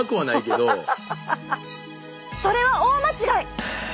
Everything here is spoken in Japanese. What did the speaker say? それは大間違い！